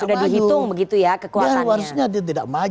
sudah dihitung begitu ya kekuatannya